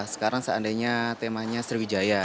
sekarang seandainya temanya sriwijaya